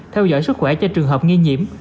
theo dõi sức khỏe cho trường hợp nghi nhiễm